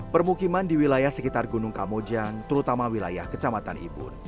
permukiman di wilayah sekitar gunung kamojang terutama wilayah kecamatan ibun